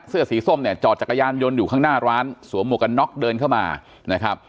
เสื้อสีส้มเนี่ยจอดจักรยานยนต์อยู่ข้างหน้าร้านสวมหมวกกันน็อกเดินเข้ามานะครับ